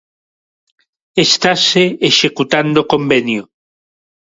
Estase executando o convenio.